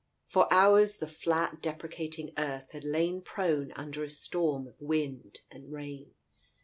For hours the flat, deprecating earth had lain prone under a storm of wind and rain.